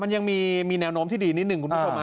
มันยังมีแนวโน้มที่ดีนิดหนึ่งคุณผู้ชม